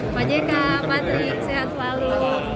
majeka patrik sehat walu